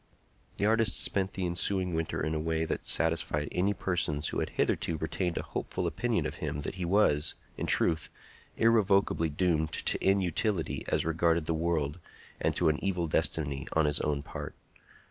The artist spent the ensuing winter in a way that satisfied any persons who had hitherto retained a hopeful opinion of him that he was, in truth, irrevocably doomed to unutility as regarded the world, and to an evil destiny on his own part.